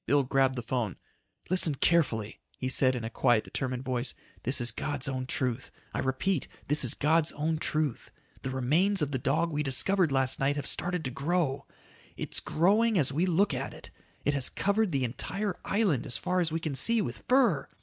"Coast Guard to the Seven Seas. Come in." Bill grabbed the phone. "Listen carefully," he said in a quiet determined voice. "This is God's own truth. I repeat: This is God's own truth. The remains of the dog we discovered last night have started to grow. It is growing as we look at it. It has covered the entire island as far as we can see, with fur.